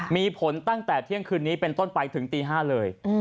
มีผลตั้งแต่เที่ยงคืนนี้เป็นต้นไปถึงตี๕เลย